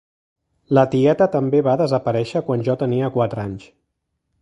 La tieta també va desaparèixer quan jo tenia quatre anys.